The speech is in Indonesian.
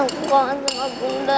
aku kangen sama bunda